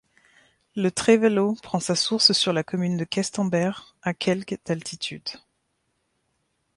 Le Trévelo prend sa source sur la commune de Questembert, à quelque d'altitude.